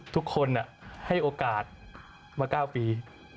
ทุกคนให้โอกาสมา๙ปี